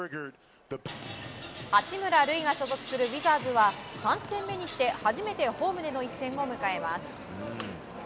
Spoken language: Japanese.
八村塁が所属するウィザーズは３戦目にして初めてホームでの一戦を迎えます。